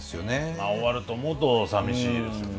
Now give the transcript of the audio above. まあ終わると思うとさみしいですよね。